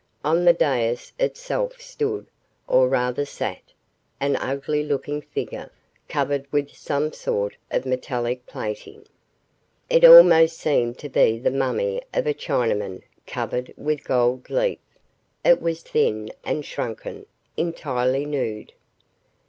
On the dais itself stood, or rather sat, an ugly looking figure covered with some sort of metallic plating. It almost seemed to be the mummy of a Chinaman covered with gold leaf. It was thin and shrunken, entirely nude.